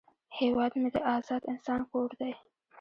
هیواد مې د آزاد انسان کور دی